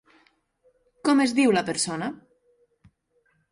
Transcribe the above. Com es diu la persona?